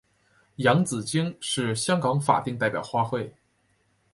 洋紫荆是香港法定代表花卉。